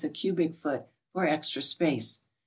a cubic foot for extra space.